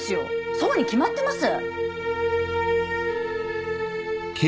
そうに決まってます！